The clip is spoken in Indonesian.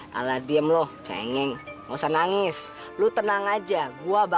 karin dia udah ngekabur ngintipin aura